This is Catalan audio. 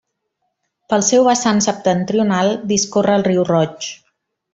Pel seu vessant septentrional discorre el Riu Roig.